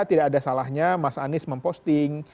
tidak ada salahnya mas anies memposting